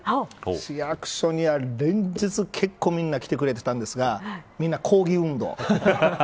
市役所には連日結構、みんな来てくれてたんですがみんな、抗議運動。